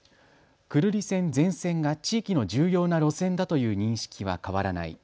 久留里線全線が地域の重要な路線だという認識は変わらない。